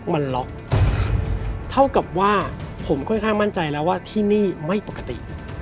มันล็อกเท่ากับว่าผมค่อนข้างมั่นใจแล้วว่าที่นี่ไม่ปกติ